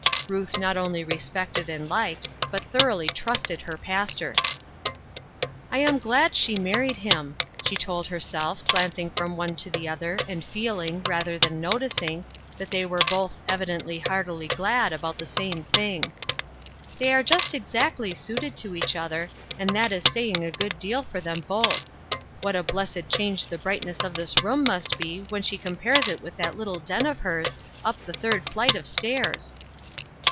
Ruth not only respected and liked, but thoroughly trusted her pastor. 140 Ruth Erskine*s Crosses, " I am glad she married him," she told heir self, glancing from one to the other, and feeling, rather than noticing, that they were both evi dently heartily glad about the same thing. " They are just exactly suited to each other, and that is saying a good deal for them both. What a blessed change the brightness of this room mast be when she compares it with that little den of hers, up the third flight of stairs